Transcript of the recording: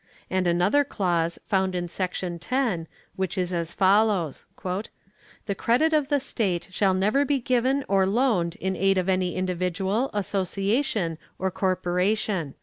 And another clause found in section 10, which is as follows: "The credit of the state shall never be given or loaned in aid of any individual, association or corporation."